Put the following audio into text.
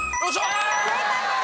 正解です。